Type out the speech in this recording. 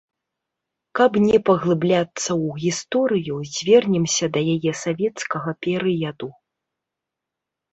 Каб не паглыбляцца ў гісторыю, звернемся да яе савецкага перыяду.